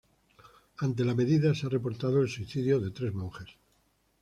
Ante la medida se ha reportado el suicidio de tres monjes.